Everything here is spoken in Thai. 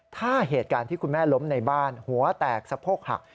ถ้าเหตุการณ์ที่คุณแม่ล้มในบ้านหัวแตกสะโพกหัก